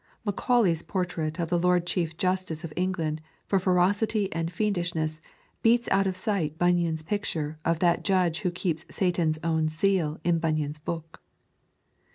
Macaulay's portrait of the Lord Chief Justice of England for ferocity and fiendishness beats out of sight Bunyan's picture of that judge who keeps Satan's own seal in Bunyan's Book.